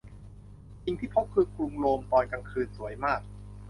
สิ่งที่พบคือกรุงโรมตอนกลางคืนสวยมาก